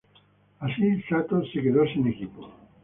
Así, Satō se quedó sin equipo.